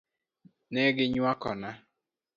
Ne gi nywakona .